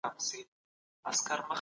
ټول يو وړل له كوره